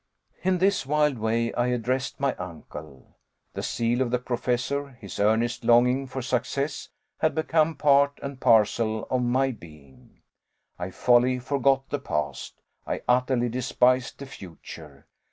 In this wild way I addressed my uncle. The zeal of the Professor, his earnest longing for success, had become part and parcel of my being. I wholly forgot the past; I utterly despised the future.